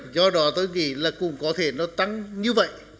do đó tôi nghĩ là cũng có thể nó tăng như vậy